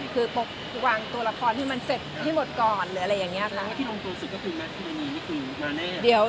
คือปกวางตัวละครให้มันเสร็จให้หมดก่อนหรืออะไรอย่างเงี้ยค่ะ